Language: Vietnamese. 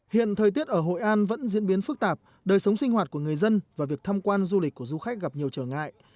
hiện thời tiết ở hội an vẫn diễn biến phức tạp đời sống sinh hoạt của người dân và việc tham quan du lịch của du khách gặp nhiều trở ngại